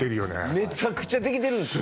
めちゃくちゃできてるんすよ